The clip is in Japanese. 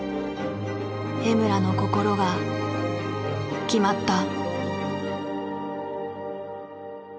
江村の心が決まった。